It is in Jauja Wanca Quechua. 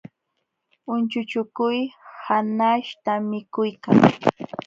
Unchuchukuy hakaśhta mikuykan